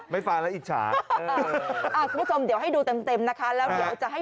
ไม่ฟังแล้วอิจฉา